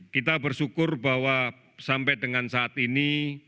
kita bersyukur bahwa sampai dengan saat ini